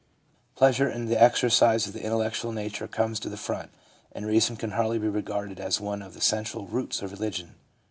Pleasure in the exercise of the intellectual nature comes to the front, and reason can hardly be regarded as one of the central roots of religion.